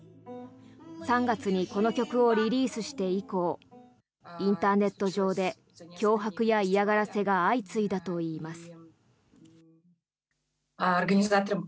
３月にこの曲をリリースして以降インターネット上で脅迫や嫌がらせが相次いだといいます。